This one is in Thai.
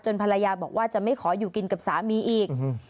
ภรรยาบอกว่าจะไม่ขออยู่กินกับสามีอีก